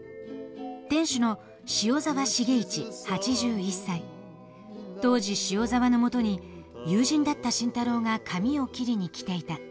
店主の当時塩沢のもとに友人だった慎太郎が髪を切りに来ていた。